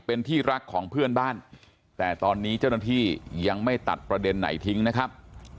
เป็นที่รักของเพื่อนบ้านแต่ตอนนี้เจ้าหน้าที่ยังไม่ตัดประเด็นไหนทิ้งนะครับ